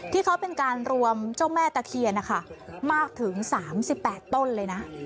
ที่เขาเป็นการรวมเจ้าแม่ตะเคียนนะคะมากถึง๓๘ต้นเลยนะ